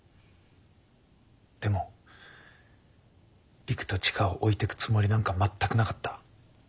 でも璃久と千佳を置いていくつもりなんか全くなかった。